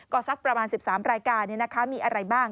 ก็สักประมาณ๑๓รายการมีอะไรบ้าง